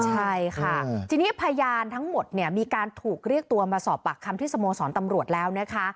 ใช่ค่ะทีนี้พยานทั้งหมดเนี่ยมีการถูกเรียกตัวมาสอบปากคำที่สโมสรตำรวจแล้วนะคะ